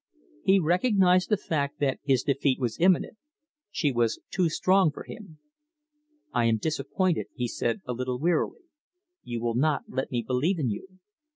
He recognized the fact that his defeat was imminent. She was too strong for him. "I am disappointed," he said, a little wearily. "You will not let me believe in you."